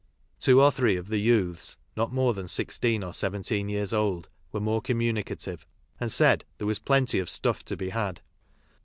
Two or three of the youths, not more than sixteen or seven teen years old, were more communicative, and said there was "plenty of stuff" to be had.